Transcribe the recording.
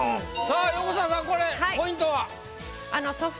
さあ横澤さんこれポイントは？